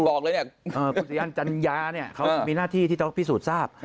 คุณศีสุวรรณจัญญาเขามีหน้าที่ที่จะผิสูจน์ทราบ